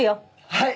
はい！